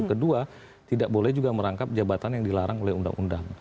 kedua tidak boleh juga merangkap jabatan yang dilarang oleh undang undang